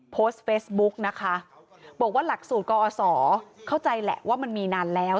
โพสต์เฟซบุ๊กนะคะบอกว่าหลักสูตรกอศเข้าใจแหละว่ามันมีนานแล้ว